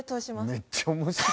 めっちゃ面白い。